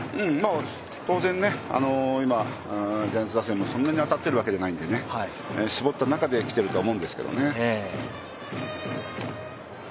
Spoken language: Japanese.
当然、今、ジャイアンツ打線もそんなに当たっているわけじゃないので、絞った中で来ているとは思うんですけどね。